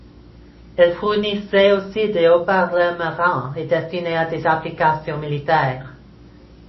Elle fournissait aussi des haut-parleurs marins et destinés à des applications militaires.